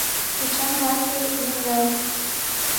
Эчан вате еҥгай?